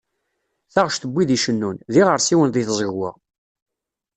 Taɣect n wid i cennun, d yiɣersiwen deg tẓegwa.